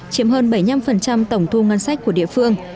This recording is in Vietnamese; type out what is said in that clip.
chiếm hơn bảy mươi năm tổng thu ngân sách của địa phương